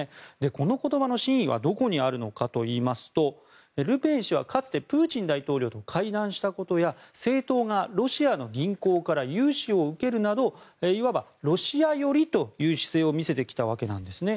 この言葉の真意はどこにあるのかといいますとルペン氏は、かつてプーチン大統領と会談したことや政党がロシアの銀行から融資を受けるなどいわば、ロシア寄りという姿勢を見せてきたわけですね。